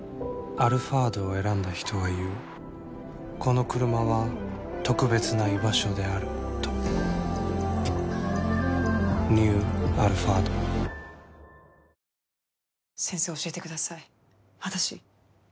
「アルファード」を選んだ人は言うこのクルマは特別な居場所であるとニュー「アルファード」もうさ